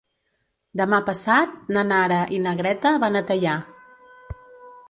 Demà passat na Nara i na Greta van a Teià.